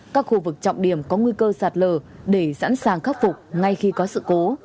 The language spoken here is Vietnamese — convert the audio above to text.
các khu vực trọng điểm có nguy cơ sạt lở để sẵn sàng khắc phục ngay khi có sự cố